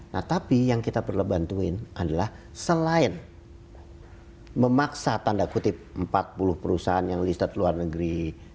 nah tapi yang kita perlu bantuin adalah selain memaksa tanda kutip empat puluh perusahaan yang listed luar negeri